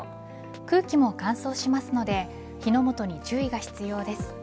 空気も乾燥しますので火の元に注意が必要です。